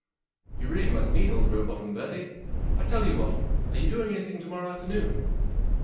You really must meet old Rowbotham, Bertie. I tell you what, are y ou doing anything to morrow afternoon